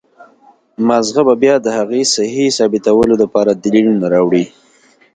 مازغه به بيا د هغې سهي ثابتولو د پاره دليلونه راوړي